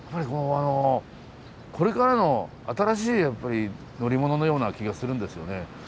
これからの新しい乗り物のような気がするんですよね。